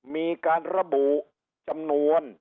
มีการระบุจำนวน